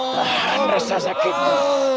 tahan rasa sakitmu